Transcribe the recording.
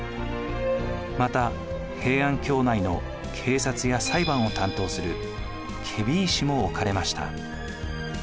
また平安京内の警察や裁判を担当する検非違使も置かれました。